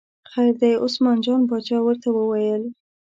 خیر دی، عثمان جان باچا ورته وویل.